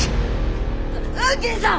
吽慶さん！